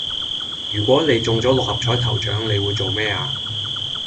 如果你中咗六合彩頭獎你會做咩呀